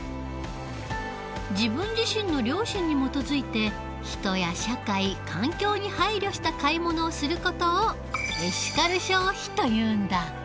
自分自身の良心に基づいて人や社会環境に配慮した買い物をする事をエシカル消費というんだ。